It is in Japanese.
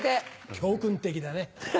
教訓的だね。